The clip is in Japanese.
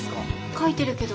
書いてるけど。